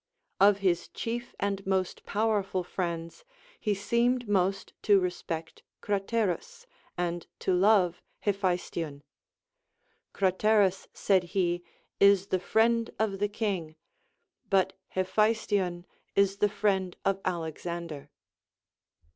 Of his chief and most powerful friends, he seemed most to respect Craterus, and to love Hephaestion. Craterus, said he, is the friend of the king ; but Hephaes tion is the friend of Alexander.